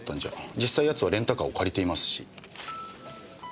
実際奴はレンタカーを借りていますし。